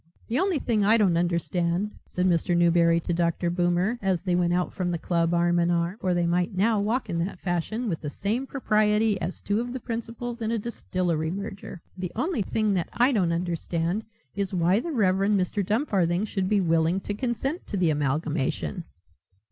"The only thing that I don't understand," said Mr. Newberry to Dr. Boomer as they went out from the club arm in arm (for they might now walk in that fashion with the same propriety as two of the principals in a distillery merger), "the only thing that I don't understand is why the Reverend Mr. Dumfarthing should be willing to consent to the amalgamation."